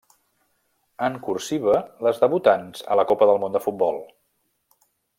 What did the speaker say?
En cursiva, les debutants a la Copa del Món de Futbol.